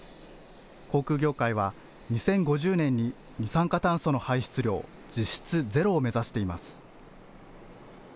航空業界は２０５０年に二酸化炭素の排出量、実質ゼロを目指しています。